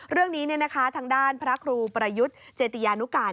เรื่องนี้ทางด้านพระครูประยุทธ์เจติยานุการ